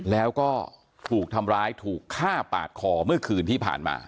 แล้วก็ถูกทำร้ายถูกฆ่าปาดคอเมื่อคืนที่ผ่านมา